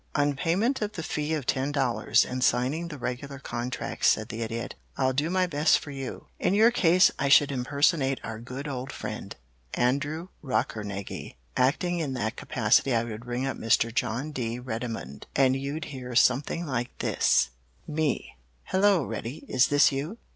"On payment of the fee of ten dollars, and signing the regular contract," said the Idiot. "I'll do my best for you. In your case I should impersonate our good old friend Andrew Rockernegie. Acting in that capacity I would ring up Mr. John D. Reddymun, and you'd hear something like this: "Me Hello, Reddy is this you?